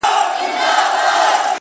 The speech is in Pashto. پوهېږم نه چي بيا په څه راته قهريږي ژوند-